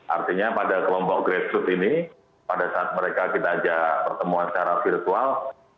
artinya pada kelompok grassroot ini pada saat mereka kita ajak pertemuan secara virtual